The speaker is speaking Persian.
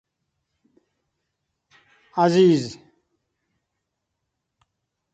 عزیز